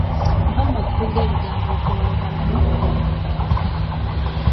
Mpa amakulu g'ebigambo okulolobala n'okulondobala.